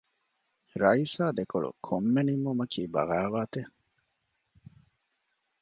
ރައީސާ ދެކޮޅު ކޮންމެ ނިންމުމަކީ ބަޣާވާތެއް؟